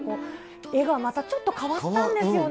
絵がまたちょっと変わったんですよね。